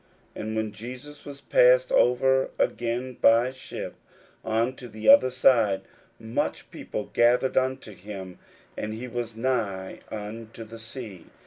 41:005:021 And when Jesus was passed over again by ship unto the other side, much people gathered unto him: and he was nigh unto the sea.